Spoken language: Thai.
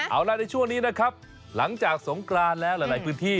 เอาล่ะในช่วงนี้นะครับหลังจากสงกรานแล้วหลายพื้นที่